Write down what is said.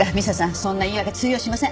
そんな言い訳通用しません。